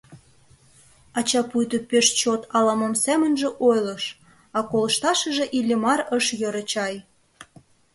Ача пуйто пеш чот ала-мом семынже ойлыш, а колышташыже Иллимар ыш йӧрӧ чай.